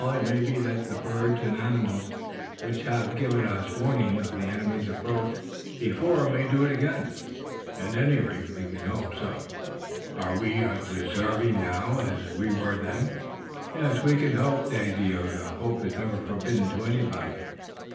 It may be that the birds and animals which have given us warning of the enemy's approach before may do it again." "At any rate, we can hope so. Are we as deserving now as we were then?" "Yes, we can hope, Dagaeoga. Hope is never forbidden to anybody."